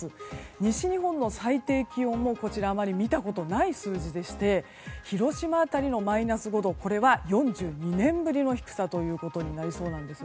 西日本の最低気温もあまり見たことない数字でして広島辺りのマイナス５度これは４２年ぶりの低さとなりそうなんです。